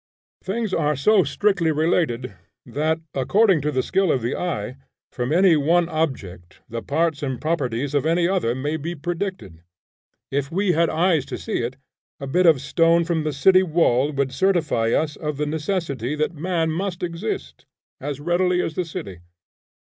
Things are so strictly related, that according to the skill of the eye, from any one object the parts and properties of any other may be predicted. If we had eyes to see it, a bit of stone from the city wall would certify us of the necessity that man must exist, as readily as the city.